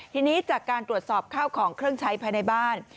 ทีนี้จากการตรวจสอบข้าวของเครื่องใช้ภายในบ้าน